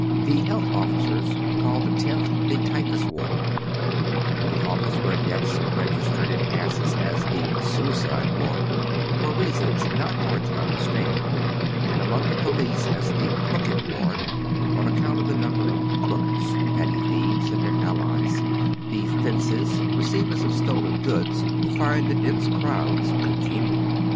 The health officers call the Tenth the typhus ward ; in tlie office where deaths are registered it passes as the "suicide ward," for reasons not hard to understand; and among the police as the "crooked ward," on account of the number of "crooks," petty thieves and their allies, the " fences," receivers of stolen goods, who find the dense crowds congenial.